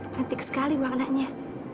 cantik sekali warnanya